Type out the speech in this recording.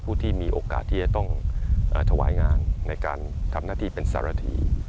ผู้ที่มีโอกาสที่จะต้องถวายงานในการทำหน้าที่เป็นสารธี